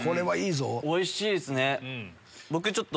おいしいですね！